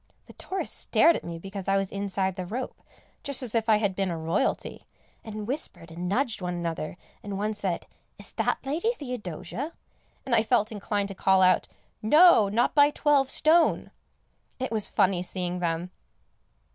The tourists stared at me because I was inside the rope, just as if I had been a Royalty, and whispered and nudged one another, and one said, "Is that Lady Theodosia?" and I felt inclined to call out "No, not by twelve stone." It was funny seeing them.